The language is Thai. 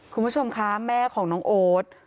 คุณผู้ชมคะแม่ของน้องโอ๊ต